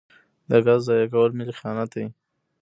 د ګازو ضایع کول ملي خیانت دی.